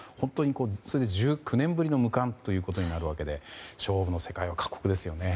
１９年ぶりの無冠ということになるわけで勝負の世界は過酷ですよね。